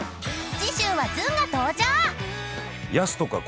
［次週はずんが登場！］